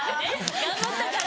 頑張ったから！